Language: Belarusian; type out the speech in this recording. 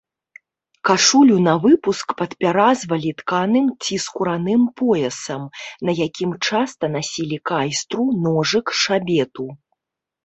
Кашулю навыпуск падпяразвалі тканым ці скураным поясам, на якім часта насілі кайстру, ножык, шабету.